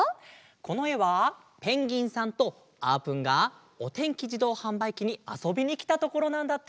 このえはペンギンさんとあーぷんがおてんきじどうはんばいきにあそびにきたところなんだって。